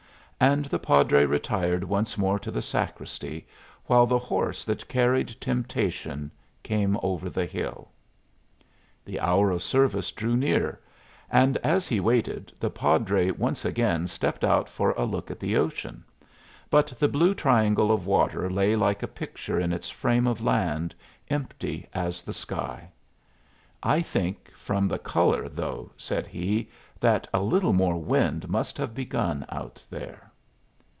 And the padre retired once more to the sacristy, while the horse that carried Temptation came over the hill. The hour of service drew near; and as he waited, the padre once again stepped out for a look at the ocean; but the blue triangle of water lay like a picture in its frame of land, empty as the sky. "I think, from the color, though," said he, "that a little more wind must have begun out there."